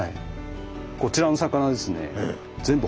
こちらの魚ですね